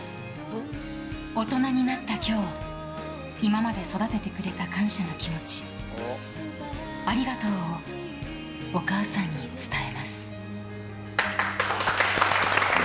大人になった今日今まで育ててくれた感謝の気持ちありがとうをお母さんに伝えます。